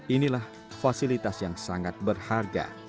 inilah fasilitas yang sangat berharga